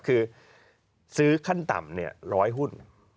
คือซื้อขั้นต่ำ๑๐๐หุ้น